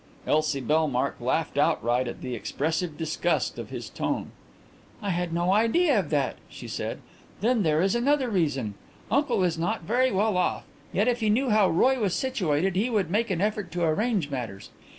Elsie Bellmark laughed outright at the expressive disgust of his tone. "I had no idea of that," she said. "Then there is another reason. Uncle is not very well off, yet if he knew how Roy was situated he would make an effort to arrange matters.